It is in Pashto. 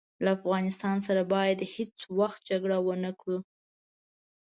له افغانستان سره باید هیڅ وخت جګړه ونه کړو.